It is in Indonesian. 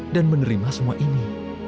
dan menerima semua ini